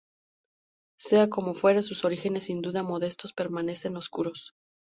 Sea como fuere, sus orígenes, sin duda modestos, permanecen oscuros.